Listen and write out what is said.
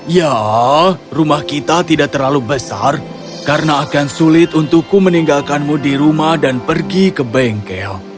ya rumah kita tidak terlalu besar karena akan sulit untukku meninggalkanmu di rumah dan pergi ke bengkel